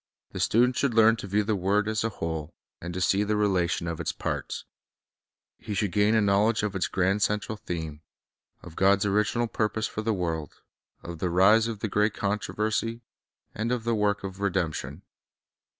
The student should learn to view the word as a whole, and to see the relation of its parts. He should gain a knowledge of its grand central theme, of God's original purpose for the world, of the rise of the great controversy, and of the work of redemption.